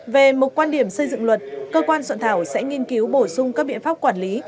về một quan điểm xây dựng luật cơ quan soạn thảo sẽ nghiên cứu bổ sung các biện pháp quản lý